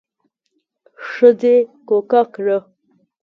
ښځې کوکه کړه.